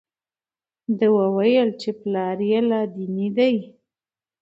ده وویل چې پلار یې لادیني دی.